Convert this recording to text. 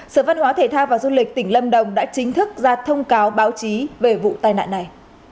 sở văn hóa thể thao và du lịch tỉnh lâm đồng đã chính thức ra thông cáo báo chí về vụ tai nạn này